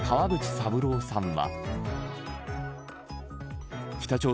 三郎さんは。